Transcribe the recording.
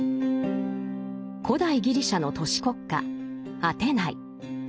古代ギリシャの都市国家アテナイ。